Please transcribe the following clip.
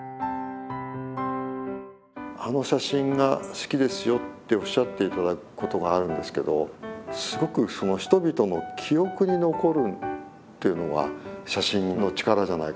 あの写真が好きですよっておっしゃっていただくことがあるんですけどすごくその人々の記憶に残るというのが写真の力じゃないかと思うんですよね。